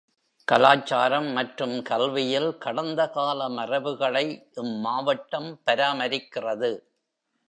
கலாச்சாரம் மற்றும் கல்வியில் கடந்த கால மரபுகளை இம்மாவட்டம் பராமரிக்கிறது.